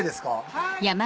はい。